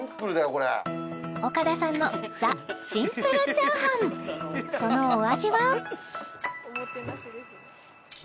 これ岡田さんのザ・シンプルチャーハンそのお味は？